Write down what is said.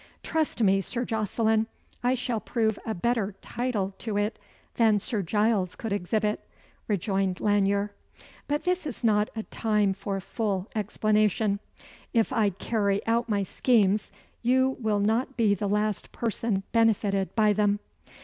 "Trust me, Sir Jocelyn, I shall prove a better title to it than Sir Giles could exhibit," rejoined Lanyere; "but this is not a time for full explanation. If I carry out my schemes, you will not be the last person benefited by them."